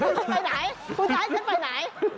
คุณไปไหนคุณจะให้ฉันไปไหน